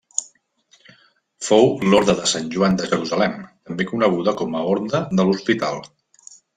Fou l'orde de Sant Joan de Jerusalem, també conegut com a orde de l'Hospital.